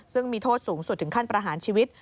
ซึ่งมีโทษสูงสุดถึงขั้นประหารชีวิต